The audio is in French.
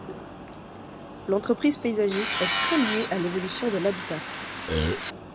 L’entreprise paysagiste est très liée à l’évolution de l’habitat.